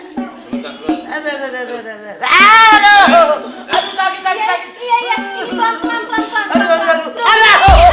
iya iya pelan pelan